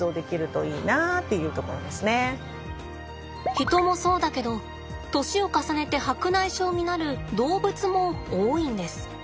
人もそうだけど年を重ねて白内障になる動物も多いんです。